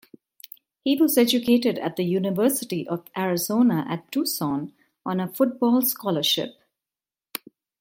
He was educated at the University of Arizona at Tucson on a football scholarship.